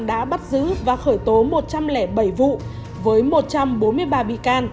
đã bắt giữ và khởi tố một trăm linh bảy vụ với một trăm bốn mươi ba bị can